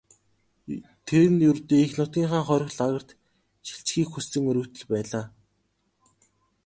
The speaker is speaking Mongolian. Тэр нь ердөө эх нутгийнхаа хорих лагерьт шилжихийг хүссэн өргөдөл байлаа.